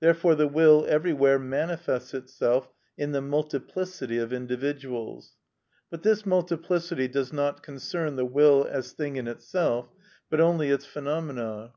Therefore the will everywhere manifests itself in the multiplicity of individuals. But this multiplicity does not concern the will as thing in itself, but only its phenomena.